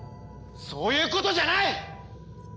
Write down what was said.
そういうことじゃない！